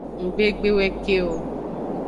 Ngbe gbe we ke o.